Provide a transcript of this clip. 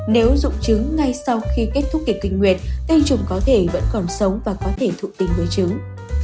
nếu dụng chứng ngay sau khi kết thúc kỷ kinh nguyệt tinh trùng có thể vẫn còn sống và có thể thụ tinh với chứng